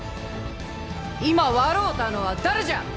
今笑うたのは誰じゃ！